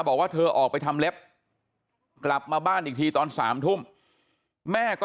บอกว่าเธอออกไปทำเล็บกลับมาบ้านอีกทีตอน๓ทุ่มแม่ก็